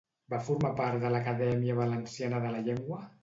Va formar part de l'Acadèmia Valenciana de la Llengua?